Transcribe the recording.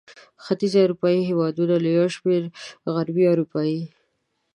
ختیځې اروپا هېوادونه له یو شمېر غربي اروپايي